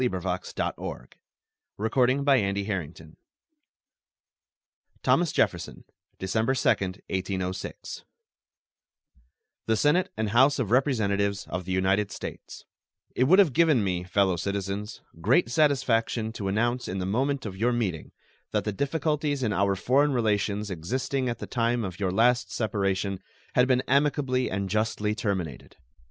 JEFFERSON State of the Union Address Thomas Jefferson December 2, 1806 The Senate and House of Representatives of the United States: It would have given me, fellow citizens, great satisfaction to announce in the moment of your meeting that the difficulties in our foreign relations existing at the time of your last separation had been amicably and justly terminated.